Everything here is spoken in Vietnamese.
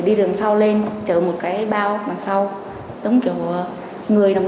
hiếu kỳ và tò mò